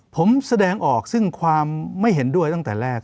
ผมแสดงออกซึ่งความไม่เห็นด้วยตั้งแต่แรก